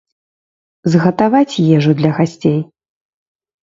Згатаваць ежу для гасцей.